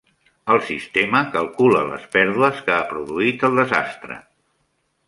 El sistema calcula les pèrdues que ha produït el desastre.